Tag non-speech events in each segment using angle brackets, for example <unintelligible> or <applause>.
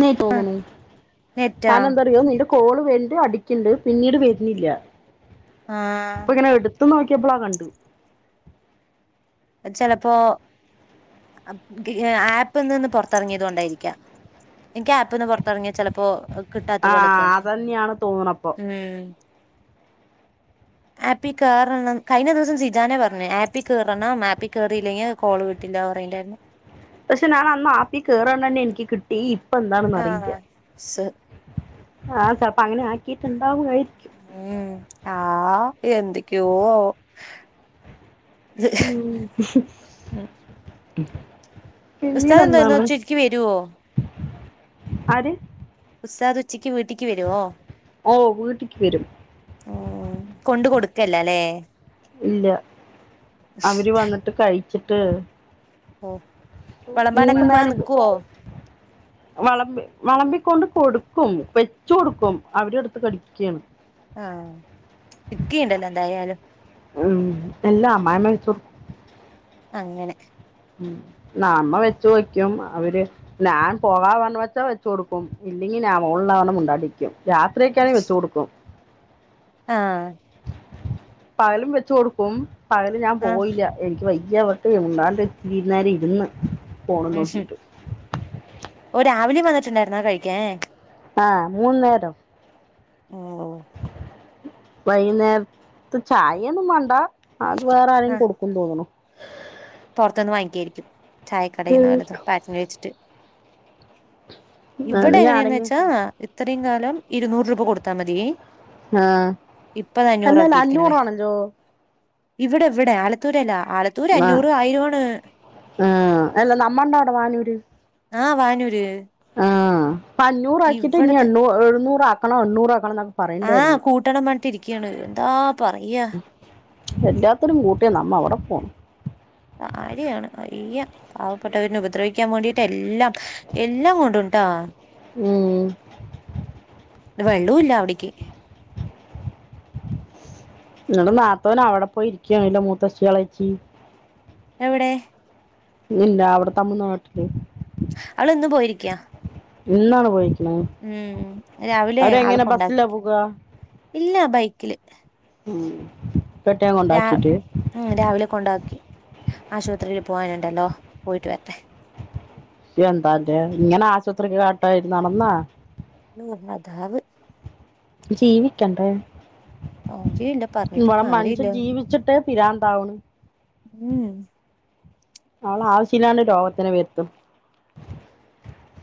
നീ തോന്ന്ണ് നെറ്റാ കാരണന്തറിയൊ നിൻ്റെ കു കോള് വെണ്ട് അടിക്ക്ണ്ട് പിന്നീട് വരുന്നില്ല ആ ത്ത് നോക്കിയപ്പോളാ കണ്ട് ചെലപ്പോ <unintelligible> ആപ്പ്നിന്ന് പൊറത്തിറങ്ങിയത് കൊണ്ടായിരിക്കാം എനിക്ക് ആപ്പിന്ന് പുറത്തിറങ്ങിയാ ചെലപ്പോ കിട്ടാത്ത ആ പോലെ തോന്നും അതന്നെയാണ് തോന്നണപ്പൊ ഉം ആപ്പിൽ കേറണം കഴിഞ്ഞ ദിവസം സിജാനെ പറഞ്ഞ് ആപ്പിൽ കേറണ മേ ആപ്പിൽ കേറിയില്ലെങ്കിൽ കോള് കിട്ടില്ല പറായണ്ടായിരുന്നു പക്ഷെ ഞാൻ അന്ന് ആപ്പി കേറാണ്ട് തന്നെ എനിക്ക് കിട്ടി എന്താണെന്ന് ആഹ്ണാ സ് ആഹ് ചെലപ്പോ അങ്ങനെ ആക്കിട്ടുണ്ടാവായിരിക്കും ഉം ആഹ് എന്തൊക്കെയോ ആവോ <unintelligible> ഉം ഉം <unintelligible> പിന്നീട് ഉസ്താദ് എന്തായിരുന്നു എന്താണ് ഉച്ചക്ക് വരുവോ ആര് വീട്ടക്ക് വരേഒ ഓ വീട്ടിക്ക് വരും കൊണ്ട് കൊടു ല്ലല്ലേ ഇല്ല അവര് വന്നിട്ട് കഴിച്ചിട്ട് ഓ മൂന്ന വിളമ്പാനൊക്കെ ഉമ്മ നേര നിക്കുവോ വിളമ്പി വിളമ്പിക്കൊണ്ട് കൊടുക്കും വെച്ച കൊടുക്കും അവരെ എടുത്ത്. കടിക്കുകയാണ്. ആ ഇക്കിണ്ടല്ലോ എന്തായാലും ഉം എല്ലാം അമ്മായിമ്മ ൾച്ചും അങ്ങനെ ഉം നമ്മ വെച്ച വയ്ക്കും അവര് ഞാൻ പോവാാ പറ വച്ചാ വെച്ച കൊടുക്കും ഇല്ല <unintelligible> രാത്രിയൊക്കാണങ്കിൽ വെച്ചു കൊടുക്കും ആ പകലും വെച്ച് കൊടുക്കും പകല് ഞാൻ ആഹ് പോയില്ല എനിക്ക് വൈ <unintelligible> ഇരുന്ന് ഫോണ് ഉം നോക്കിട്ട് ഓ രാവിലെയും വന്നിട്ടുണ്ടായിരുന്നാ കഴികാൻ ആഹ് മൂന്ന്നേരം ഓ വൈകുന്നേരത്തെ ചായൊന്നും മണ്ട അത് വേറെ ആരേങ്കിലും കൊടുക്കും തോന്നണു പുറത്ത്നിന്ന് വാങ്ങിക്കായിരിക്കും ചായക്കടന്ന് വല്ലതും പാഴ്സൽ വെച്ചിട്ട് എന്നാ ഇവിടെ എങ്ങനെയാന്ന് വെച്ചാ ഞാനെങ്കിലും ഇത്രയും കാലം ഇരുന്നൂറ് രൂപ കൊടുത്താ മതി ആ അല്ല ഇപ്പത്അഞ്ഞൂർ അല്ല ക്കിയിരിക്കണ് അഞ്ഞൂറാണല്ലോ ഇവിടെ ഇവിടെ ആലത്തൂരല്ല ആലത്തൂർ അഞ്ഞൂറ് പോണ് ഉം അല്ല നമ്മണ്ട <unintelligible> വാനൂര് ആഹ് വാനൂര് ആഹ് അഞ്ഞൂറാക്കിയിട്ട് ഇഞ്ഞ് ഇവിടത്തെ എണൂഎഴുനൂർ ആക്കണം ഒക്കെ ആഹ് പറയുന്നുണ്ടായിരുന്നു കൂട്ടണം പറഞ്ഞിട്ട് ഇരിക്കയാണ് എന്താ പറയാ എല്ലാത്തൊരും കൂട്ടിയ നമ്മെ എവിടെ പോണ് കാര്യാണ് അയ്യ പാവപ്പെട്ടവരെ ഉപദ്രവിക്കാൻ വേണ്ടിട്ട് എല്ലാം എല്ലാം കൊണ്ടുണ്ട് ട്ടാ ഉം വെള്ളൂല്ല അവിടക്ക് നിടെ നാത്തൂൻ അവിടെ പോയിരിക്കണല്ല മൂത്തചിളച്ചി എവിടെ ഇല്ല അവിടെ തമിഴ്നാട്ടില് അവൾ ഇന്ന് പോയിരിക്കയാ ഇന്നാണ് പോയി ഉം രാവിലെ ആള്ക്കൊണ്ടാക്കി ബസ്സിലാ പോക ഇല്ല ബൈക്കില് ഉം പെട്ടിയം രാ കൊണ്ടാക്കിട്ട് ഉം രാവിലെ കൊണ്ടാകി ആശുപത്രിയില് പോവാനുണ്ടല്ലോ പോയിട്ട് വരട്ടെ എന്താല്ലേ ഇങ്ങനെ ആശുപത്രിക്ക് കാട്ടായി നടന്നാ നൂർന്നതാവ് ജീവിക്കണ്ടേ കാര്യല്ല പറഞ്ഞിട്ട് ഇവടെ കാര്യല്ല മനുഷ്യൻ ജീവിച്ചിട്ട് പിരാന്ത് അവ്ണ് ഉം അവള് ആവശ്യമില്ലാണ്ട് രോഗത്തിനെ വരുത്തും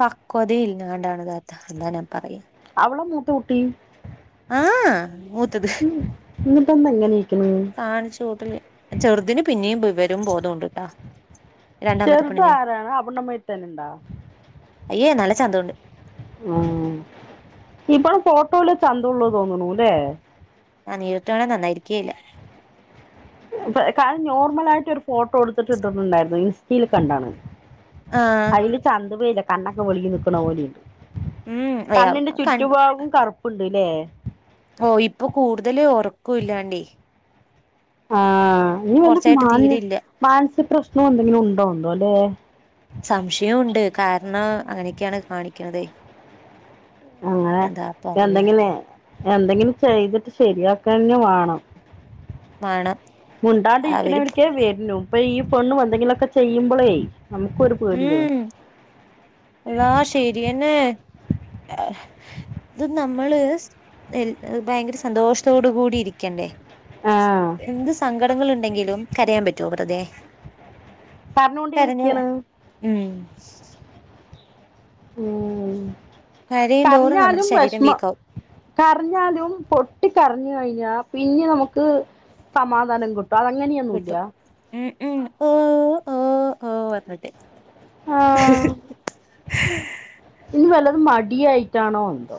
പക്വത ഇല്ലാണ്ടാണ് താത അല്ലാ ഞാൻ പറയ അവള മൂത്ത കുട്ടി ആഹ് മൂത്തത് ഇന്നിട്ടെന്താ ഇങ്ങനെ ഇരിക്കണ് കാണിച്ചു കൂട്ടൽ ചെറുതിന് പിന്നെയും വിവരും ബോധം ഉണ്ട്ട്ടാ രണ്ടാമത്തെ ചെറുതും പെണ്ണിന് ആരാണ് അവിടെമ്മ തന്നെ ഇണ്ടാ ച്ചതോണ്ട് ഉം ഇപ്പ ഫോട്ടോയിൽ ചന്തമുള്ള് തോന്ന്ണുല്ലേ ആ നേരിട്ട് കാണാൻ നന്നായിരിക്കേല്ല കാര്യം നോർമൽ ആയിട്ട് ഒരു ഫോട്ടോ എടുത്തിട്ട് ഇട്ടിട്ടുണ്ടായിരുന്നു ഇൻസ്റ്റെൽ കണ്ടാണ് ആഹ് അതില് ചന്തപല്ല കണ്ണൊക്കെ വെളുകി നിക്കുന്ന പോലണ്ട് ഉം അയാൾ കണ്ണിന്റെ കൺ ചുറ്റുഭാഗും കറുപ്പുണ്ട്ല്ലേ ഓ ഇപ്പൊ കൂടുതല് ഉറക്കു ഇല്ലാണ്ടേ ആഹ് ഇഞ്ഞ് കുറച്ചായിട്ട് വല തീരെയില്ല മാനസിക പ്രശ്നംഎന്തെങ്കിലും ഉണ്ടോണ്ടോ ല്ലെ സംശയമുണ്ട് കാരണം അങ്ങനെയൊക്കെയാണ് കാണിക്കണതേ അങ്ങനെ എന്താ പറയാ എന്തെങ്കിന്നെ എന്തെങ്കിലും ചെയ്തിട്ട് ശരിയാക്കെന്നെ വേണം വേണം അവര് മുണ്ടാണ്ടിരിക്കണവർക്കെ വരുന്നു ഇപ്പൊ ഈ പെണ്ണും എന്തെങ്കിലുമൊക്കെ ചെയ്യുമ്പോളെ ഉം ആ ശരിയന്നെ ഇത് നമ്മള് എ ഭയങ്കര സന്തോഷത്തോടു കൂടി ഇരിക്കണ്ടേ ആഹ് എന്ത് സങ്കടങ്ങളൾ ഉണ്ടെങ്കിലും കരയാൻ പറ്റുവോ വെറുതെ പറഞ്ഞോണ്ടേ കരഞ്ഞ ഇരിക്കയാണ് ഉം ഉം കരയും തോറും നമ്മുടെ കർഞ്ഞാലും ശരീരം വിഷമം വീക്കാവും കർഞ്ഞാലും പൊട്ടി കർഞ്ഞ കഴിഞ്ഞു പി പിന്നെ നമുക്ക് സമാധാനം കിട്ടും അത അങ്ങനെയൊന്നും ഇല്ല ഉ ഓ ഓ ഓ വന്നിട്ടേ ആഹ ഇനി വല്ല അത് മടിയായിട്ടാണോ എന്തോ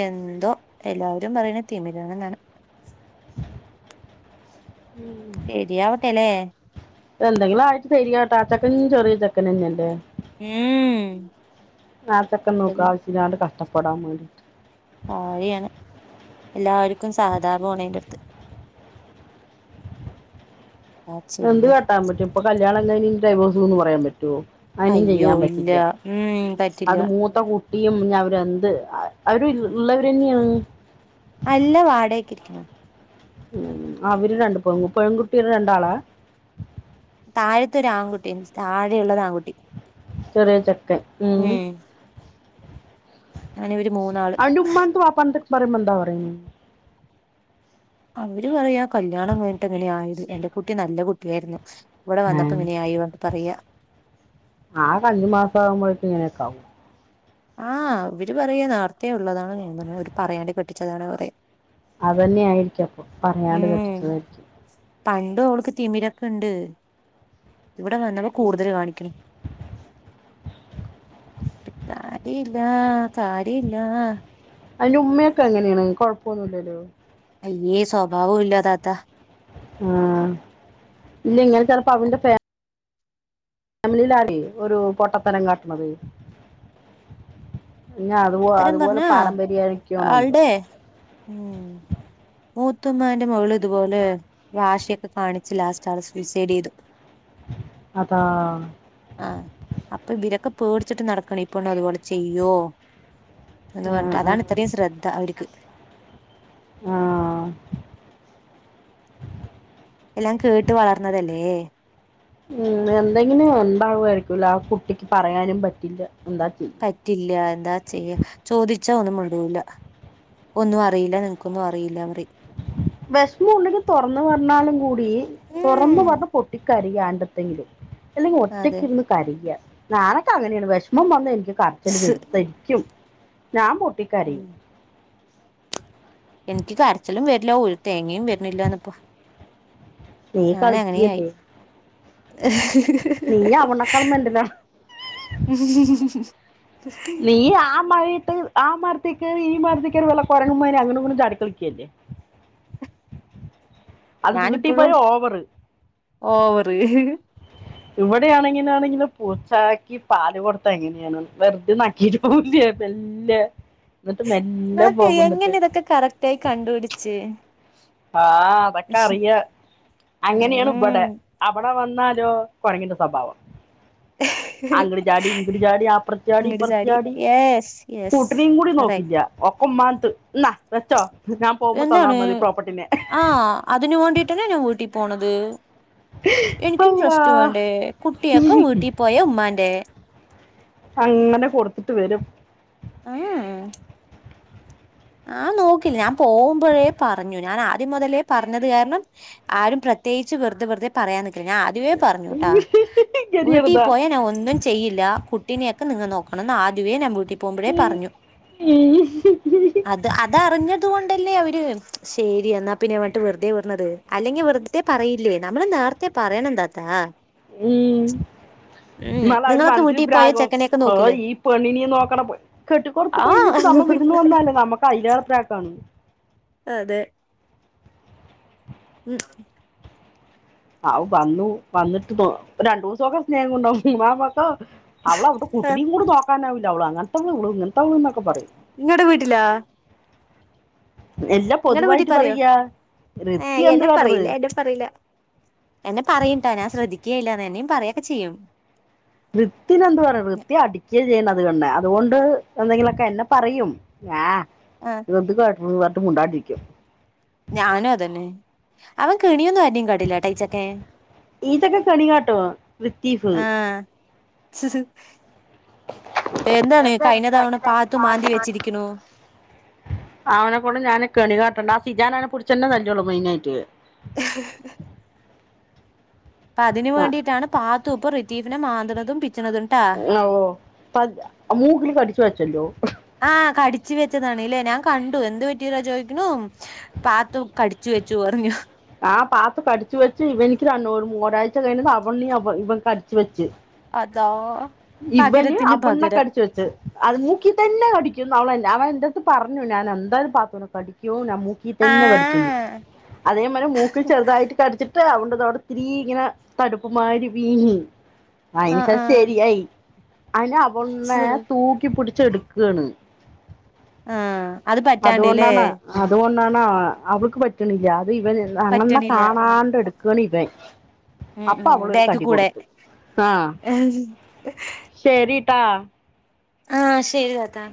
എന്തോ എല്ലാവരും പറയുന്ന തീമരാണ്ങ്ങാണ് ഉം ശരി ആവട്ടെല്ലേ എന്തെങ്കിലും ആയിട്ട് തരിയാ ചെക്കൻ ചെറിയ ചെക്കൻ തന്നെയല്ലേ ഹം നേത്തൊക്കെ നോക്ക ആവശ്യമില്ലാണ്ട് കഷ്ടപ്പെടാൻ പോവും വഴിയാണ് എല്ലാവർക്കും സഹതാപമാണ് എന്റെ അടുത്ത് എന്താ എന്ത് ചെയ്യ ക കേട്ടാൻ പറ്റും ഇപ്പൊ ക കല്യാണം കഴിഞ്ഞ് ഡൈവോസ് എന്ന് പറയാൻ പറ്റുമോ അനും അയ്യോ ചെയ്യാൻ ഇല്ല പറ്റില്ല ഉം പറ്റില്ല അത് മൂത്ത കൂട്ട കുട്ടിയും അവര്ന്ത് അവര് ഉള്ളവരെന്നെയാണ് അല്ല വാടകക്കിരിക്കുന്നു ഉ അവര് രണ്ട് പെ പെൺകുട്ടിയുടെ രണ്ടാളാ താഴത്തെ ഒരു ആൺകുട്ടി താഴെയുള്ളത് ആൺകുട്ടി ചെറിയ ചക്കൻ ഉം ആ അ ഉമ്മാന്റെടത്തും വാപ്പാടെടത്തും പറയുമ്പോ ന്താ പറയണേ അവര് പറയാ കല്യാണം വീട്ട എങ്ങനെ ആയത് എന്റെറെ കുട്ടി നല്ല കുട്ടിയായിരുന്നു ഇവിടെ വന്നപ്പോ ഇങ്ങനെയായി പറഞ്ഞിട്ട് പറയാ ആഹ ആ അഞ്ചും മാസ ആകുമ്പോഴ <inaudible> ആഹ് ഇവര് പറയ നേരത്തെേ ഉള്ളതാണ് അവര് പറയാണ്ടി കെട്ടിച്ചതാണ് പറ അതന്നെയ ആയിരിക്ക അപ്പൊ പറയാത കെട്ടിച്ചതായിരിക്കും പണ്ട അവൾക്ക് തിമിരൊക്കെ ഉണ്ട് ഇവിടെ വന്നപ്പോ കൂടുതൽ കാണിക്കണ സാരില്ല സാരില്ല അതിന്റെ ഉമ്മയൊക്കെ എങ്ങനെയാണ് കൊഴപ്പമൊന്നുമ ഇല്ലോ അയ്യേ സ്വഭാവം ഇല്ല താത്ത ആഹ ഇല്ല ഇങ്ങനെ ചിലപ്പ അവന്റെേ <unintelligible> ഫാമിലിയിലാടിഒരു പൊട്ടത്തരം കട്ട് ണേ അത്പോ പൊട്ടത്തരം അതുപോലെ പറഞ്ഞാ പാരമ്പര്യരിക്കണ എന്തോ ആൾടെ ഉം മൂത്തുമ്മാന്റെ മകൾ ഇതുപോലെ വാശിയൊക്കെ കാണിച്ച് ലാസ്റ്റ് ആള് സൂസൈഡ് ചെയ്തു അതാ ആഹ അപ്പൊ ഇവിരക്ക പേടിച്ചിട്ട് നടക്കണ് ഈ പെണ്ണ് അതുപോലെ ചെയ്യോ എന്ന് ആ, പറഞ്ഞിട്ട് ആ, അതാണ് ഇത്രയിം ശ്രദ്ധ അവർക്ക് ആ എല്ലാം കേട്ട് വളർന്നതല്ലേ ഉ എന്തെങ്കിലും ഉണ്ടാവായിരിക്കും ആ കുട്ടിക്ക് പറയാനും പറ്റില്ല എന്താ ചെയ്യ പറ്റില്ല എന്താ ചെയ്യ ചോദിച്ച ചേദിച്ചാ ഒന്നും മുണ്ടൂല്ല ഒന്നും അറിയില്ല നിനക്കൊന്നും അറിയില്ല പറയു വിഷമം ഉണ്ടെങ്കിൽ തുറന്ന് പറഞ്ഞാലും കൂടി തുറന്ന് ഉം പറ പൊട്ടിക്കരികാണ്ടത്തെങ്കിലും അല്ലെങ്കിൽ അതെ ഒറ്റക്കിയിരുന്ന് കരയ്കാ നാനൊക്കെ അങ്ങനെയാണ് വിഷമം വന്ന് - കരച്ചില് സ് വരും ശരിക്കും ഞാൻ പൊട്ടികരയും ഉം എനിക്ക് കരച്ചിലും വരില്ല ഒരു തേങ്ങയും വരണില്ലാന്ന് ഇപ്പോ നീ കളിയ്ക്കയല്ലേ നീ അവളെക്കാളും മെന്റലാ <inaudible> നീ ആ <unintelligible> ആ മരത്തിക്കേറി ഈ മരത്തികേറി വല്ല കൊരങ്ങമ്മാര് അങ്ങട്ടു ഇങ്ങട്ടു ചാടികളിക്കല്ലേ <inaudible> പോയ ഞാനിപ്പോഴും ഓവർ ഓഹ് വറി ഇവടെയാണെങ്കിനാണെങ്കിലോ പൂച്ചാക്കി പാൽകൊട്ത്ത് എങ്ങനെയാണ് വെർതെ നക്കീട്ട് പോവില്ലേ എമെല്ല ഇന്നട്ട് മെല്ലെ നിങ്ങളൊക്കെ പോകുന്നട്ട്. എങ്ങനെ ഇതൊക്കെ കറക്റ്റ് ആയി കണ്ടുപിടിച്ച് ആഹ് അതൊക്കറിയ അങ്ങനെണ് ഇബടെ ഉം അബടെ വ ന്നാലോ കൊരങ്ങന്റെ സ്വഭാവം. അങ്ങട് ചാടി ഇങ്ങട് ചാടി അപ്രത്ത് ചാടി ഇങ്ങട് ഇപ്രത്ത് ചാടി യെസ് യെസ് കുട്ടിനിം കൂടി കറക്റ്റ് നോക്കില്ല്യാ ഒ ക്കൊമ്മാൻത്ത് ഇന്നാവെച്ചോ ഞാം പോവുമ്പോ തന്നാ എന്താണ് മതി. പ്രോപ്പർട്ടിനെ ആഹ് അതിന് വേണ്ടിട്ടെന്നെ ഞാം വീട്ടി പോണത്. എനിക്കും അല്ല റസ്റ്റ് വേണ്ടേ കുട്ടിയൊക്കെ വീട്ടി പോയ ഉമ്മാന്റെ അങ്ങനെ കൊട്ത്ത്ട്ട് വെരും. ഏഹ് ഞാൻ നോക്കില്ല ഞാൻ പോവുമ്പഴേ പറഞ്ഞു ഞാൻ ആദ്യം മുതലേ പർഞ്ഞത് കാരണം ആരും പ്രത്യേകിച്ച് വെറ്തെ ഞാൻ ആദ്യ വേ പറഞ്ഞുട്ടാ വീട്ടി ഗരിയറുതാ പോയാ ഞാൻ ഒന്നും ചെയ്യില്ല കുട്ടിന്യെ ക്കെ നിങ്ങ നോക്കണം ന്നാദ്യവേ ഞാൻ വീ ഉം അത് അതറിഞ്ഞത് കൊണ്ടല്ലേ അവ ര് ശെരി എന്നാ പിന്നെ ഇങ്ങട്ട് വെറ്തെ വന്നത് അല്ലെങ്കി വെറ്തെ പറയില്ലേ നമ്മള് നേരത്തെ പറയണം താത്ത ഉം ഉം ഇന്നാലവര് നിങ്ങളൊക്കെ മനസ്സിൽ വീട്ടിൽ പോയ പ്രരാക്കും ചെക്കനെയൊക്കെ ഓഹ് നോക്കില്ലേ ഈ പെണ്ണി നിം നോക്കണം പ് കെട്ടിക്കൊട്ത്ത് കഴിഞ്ഞിട്ട് ആഹ് ഞ മ്മ വിര്ന്ന് വന്നാലേ നമ്മക്ക് അയ്ലേറെ പ്രാക്കാണ്. അതെ ഉം ആവു വന്നു വന്ന്ട്ട് നോ ഒരണ്ടൂസൊക്കെ സ്നേഹുണ്ടാകും ഇമ്മാക്കൊ അവള അവിത്തെ കുട്ടിയും കൂടി നോക്കാനാവില്ല അവള് ഹേ അവളവളുടെ കുട്ടിനെ കുടി നോക്കാതെഅങ്ങനത്തെവളഇങ്ങനത്തെ അവളൂ എന്നൊക്കെ പറയും- നിങ്ങടെ വീട്ടിലാ- എല്ലാം നിങ്ങടെ വീട്ടിൽ പൊതുവായിട്ട് പറയോ പറയാ ഏ ഋത്തി എന്ത് എന്നെ കാട്ടറ് പറയില്ല എന്നെ പറയില്ല- എന്നെ പറയുംട്ടോഞാൻ ശ്രദ്ധിക്കുകയില്ലഎന്നി ' പറയുകൊക്കെ ചെയ്യും- വൃത്തിന് എന്പറയ ണ വൃത്തിയെ അടിക്കിയ ചെയ്യണം- എന്ന്അതുകൊണ്ട് എന്തെങ്കിലൊക്കെ എന്നെ പറയും ആഹ് ആഹ് എന്ത് ക്- ളം എത്തും മുണ്ടാട്ടിരിക്കും- ഞനു അതെന്നെ അവൻ കിണിയൊന്നു- നിം കടില്ലടൈച്ചെക്കെ ഇതൊക്കെ കെണി കാട്ടും ഋത്തീഫ് ആഹ് - എന്താണ് കഴിഞ്ഞ തവണ പാത്തു മാന്തിവെച്ചിരിക്കണു- അവനെ കൊണ്ടുഞാന് കെണി കാട്ടുണ്ട് ആ സിജാൻനെന്നെ പിടിച്ചൊള്ളു മെയിനായിട്ട്- പ്പ അതിന് ആ വേണ്ടിട്ടാണ് പാത്തുപ്പം' റിതീഫിനെ മാന്ത് ണതും പി- ഓഹ് മൂക്കില് കടിച്ചു വെച്ചല്ലോ- ആഹ് കടിച്ചു വെച്ചതാണ് ഇല്ലേ ഞാൻ കണ്ടു എന്ത് പറ്റിയരാ ചോദിക്കണ് പാത്തു കടിച്ചു- വെച് ഒറങ്ങിയെ, ആ പാത്തു കടിച്ച വെച്ച് ഇവ ആ പാത്തു പടിച്ച് വച്ച് ഇവനിക്ക്- രൺ ഒരാഴ്ച കഴിഞ്ഞമ്പു അവണ്ണ ഇവൻ അടിച്ച് വെച്ച് അതാ ഇബന് അബണ്ണൊക്കെ അടിച്ച വെച്ചത് അത് മൂക്കി തന്നെ അടിക്കുന്നവൻ ഞൻ അൻഎന്തട്ത്ത് പറഞ്ഞുഞൻ എന്തായാലും പാ റപഠിക്കു ല മൂക്ക ആ തന്നെ കടിച്ചിന് അതേപോലെ മൂക്കി ചെറുതായിട്ട് കടിച്ചിട്ട് അവള് അതൊട്ത്തിരി ഇങ്ങനെ തടുപ്പ് മാരി വീങ്ങി ആ അയിനേഷം ആ ശരിയായി അയിന് അവന്ന സ് തൂക്കിപ്പൊടച്ച് എടുക്കയാണ് ആ അത് പറ്റാണ്ട് ല്ലേ കൊണ്ടാണ് അതകൊണ്ടാണ് അവൾക്ക് പറ്റ് ണ് ല്ല ത് ഇവൻ അണ്ണന്നെ പറ്റണില്ല കാണാണ്ട് എടുക്കാണ് ഇവൻ ഉം അപ്പൊ ഉം അവളൊരു ബാക്കി തടി കൂടെ കൊടുത്തു ആഹ ൾരിട്ടാ ആ ശരി താത്താ